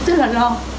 mà cũng rất là lo